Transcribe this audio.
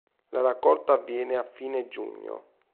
La raccolta avviene a fine giugno.